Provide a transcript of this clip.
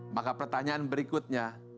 maka pertanyaan berikutnya